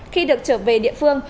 khi được trở về địa phương